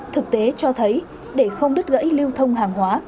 thực tế cho thấy để không đứt gãy lưu thông hàng hóa